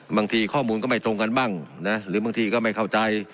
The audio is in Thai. บางทีข้อมูลก็ไม่ตรงกันบ้างนะหรือบางทีก็ไม่เข้าใจ